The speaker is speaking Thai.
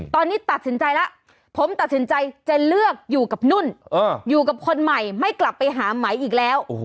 ตอนนี้ตัดสินใจแล้วผมตัดสินใจจะเลือกอยู่กับนุ่นอยู่กับคนใหม่ไม่กลับไปหาไหมอีกแล้ว